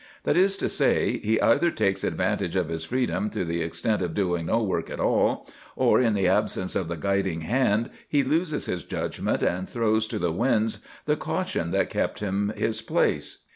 That is to say, he either takes advantage of his freedom to the extent of doing no work at all, or, in the absence of the guiding hand, he loses his judgment and throws to the winds the caution that kept him his place.